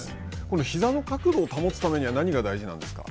ひざの角度を保つためには、何が大事なんですか。